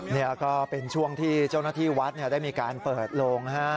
นี่ก็เป็นช่วงที่เจ้าหน้าที่วัดได้มีการเปิดโลง